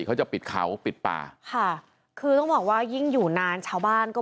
เขาจะปิดเขาปิดป่าค่ะคือต้องบอกว่ายิ่งอยู่นานชาวบ้านก็